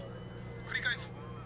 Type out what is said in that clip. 繰り返す」。